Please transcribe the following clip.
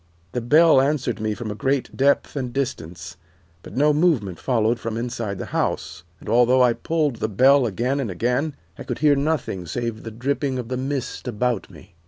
The bell answered me from a great depth and distance, but no movement followed from inside the house, and although I pulled the bell again and again I could hear nothing save the dripping of the mist about me.